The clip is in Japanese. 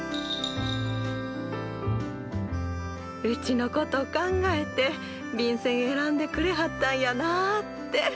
うちのこと考えて便せん選んでくれはったんやなって。